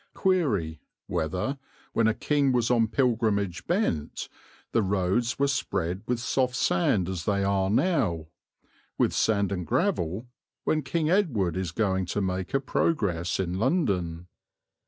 Quære, whether, when a king was on pilgrimage bent, the roads were spread with soft sand as they are now, with sand and gravel, when King Edward is going to make a progress in London.